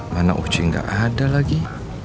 mana uji gak ada lagi